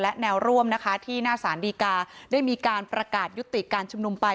และแนวร่วมนะคะที่หน้าสารดีกาได้มีการประกาศยุติการชุมนุมไป